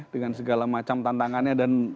dengan segala macam tantangannya dan